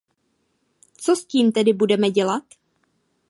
Co s tím tedy budeme dělat?